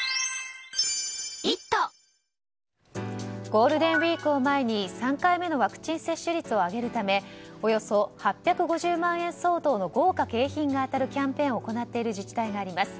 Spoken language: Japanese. ゴールデンウィークを前に３回目のワクチン接種率を上げるためおよそ８５０万円相当の豪華景品が当たるキャンペーンを行っている自治体があります。